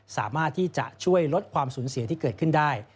สามารถที่จะช่วยลดความสูญเสียที่เกิดขึ้นได้